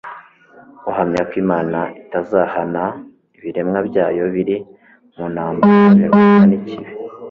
uhamya ko Imana itazahana ibiremwa byayo, biri mu ntambara birwana n'ikibi.